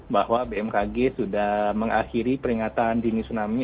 bahwa bmkg sudah mengakhiri peringatan dini tsunami